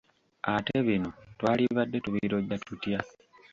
Ate bino twalibadde tubirojja tutya?